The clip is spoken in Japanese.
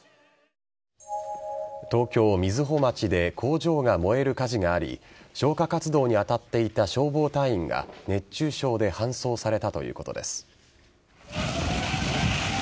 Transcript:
東京・瑞穂町で工場が燃える火事があり消火活動に当たっていた消防隊員が熱中症で搬送されたということです。